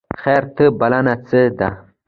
خیر ته بلنه څه ده؟